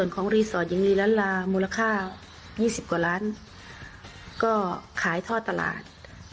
๒๐กว่าล้านก็ขายทอดตลาด